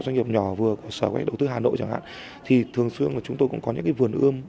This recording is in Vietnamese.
doanh nghiệp nhỏ vừa của sở quách đầu tư hà nội chẳng hạn thì thường xương chúng tôi cũng có những vườn ươm